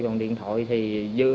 còn điện thoại thì dư